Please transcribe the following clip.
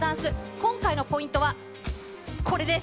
今回のポイントは、これです。